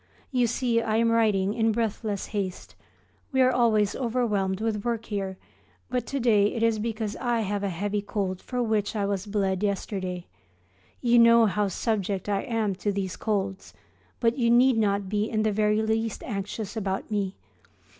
You see I am writing in breathless haste. We are always overwhelmed with work here; but to day it is because I have a heavy cold for which I was bled yesterday. You know how subject I am to these colds, but you need not be in the very least anxious about me.